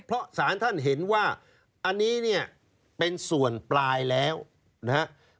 เพราะสารท่านเห็นว่าอันนี้เนี่ยเป็นส่วนปลายแล้วนะครับ